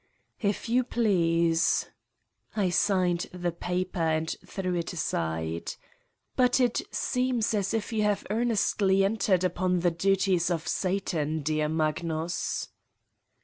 " "If you please. ..." I signed the paper and threw it aside. "But it seems as if you have ear nestly entered upon the duties of Satan, dear Magnus